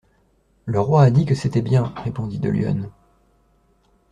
Le roi a dit que c'était bien, répondit de Lyonne.